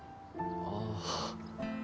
ああ。